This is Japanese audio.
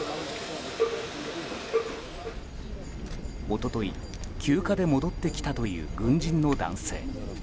一昨日、休暇で戻ってきたという軍人の男性。